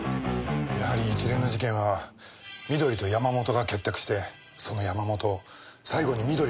やはり一連の事件は美登里と山本が結託してその山本を最後に美登里が殺した。